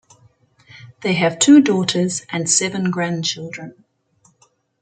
They have two daughters and seven grandchildren.